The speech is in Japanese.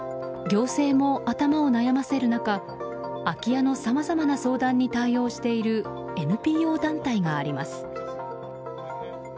行政も頭を悩ませる中空き家のさまざまな相談に対応しているＮＰＯ団体があります。